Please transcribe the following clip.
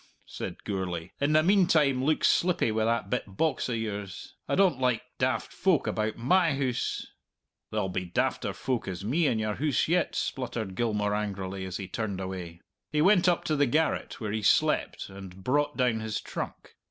said Gourlay. "In the meantime, look slippy wi' that bit box o' yours. I don't like daft folk about my hoose." "There'll be dafter folk as me in your hoose yet," spluttered Gilmour angrily, as he turned away. He went up to the garret where he slept and brought down his trunk.